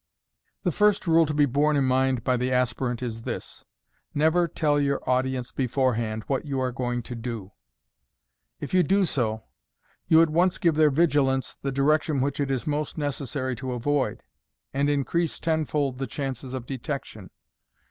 The first rule to be borne in mind by the aspirant is this :* Ncvei tell your audience beforehand what you are going to do." If you do so, you at once give their vigilance the direction which it is most neces sary to avoid, and increase tenfold the chances of detection.